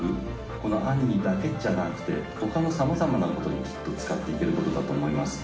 この『アニー』だけじゃなくて他のさまざまなことにきっと使って行けることだと思います。